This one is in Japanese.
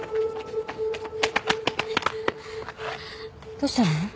どうしたの？